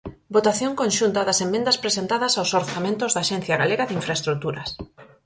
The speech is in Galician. Votación conxunta das emendas presentadas aos orzamentos da Axencia Galega de Infraestruturas.